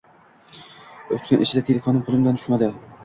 Uch kun ichida telefonim qoʻlimdan tushmadi